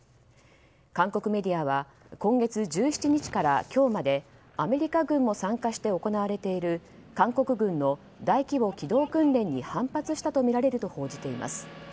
韓国メディアは今月１７日から今日までアメリカ軍も参加して行われている韓国軍の大規模機動訓練に反発したとみられると報じています。